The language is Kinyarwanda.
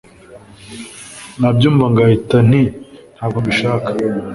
nabyumva ngahinda nti ntabwo mbishaka